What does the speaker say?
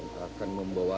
yang akan membawa